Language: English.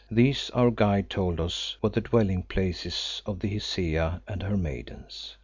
These, our guide told us, were the dwelling places of the Hesea and her maidens.